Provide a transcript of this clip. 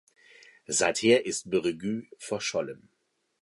Seither ist Breguet verschollen.